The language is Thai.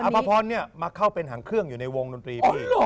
ภพรมาเข้าเป็นหางเครื่องอยู่ในวงดนตรีพี่